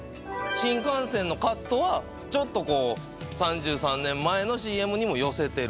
新幹線のカットはちょっと３３年前のＣＭにも寄せてると。